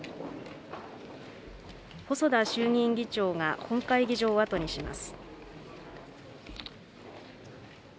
細田衆院議長が本会議場を後にします。